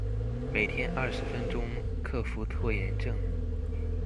每天二十分鐘克服拖延症